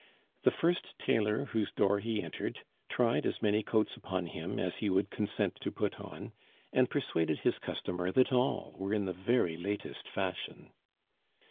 The first tailor whose door he entered tried as many coats upon him as he would consent to put on, and persuaded his customer that all were in the very latest fashion.